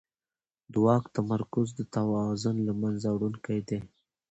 د واک تمرکز د توازن له منځه وړونکی دی